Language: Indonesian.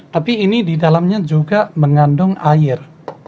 tapi ini di dalamnya juga mengandung air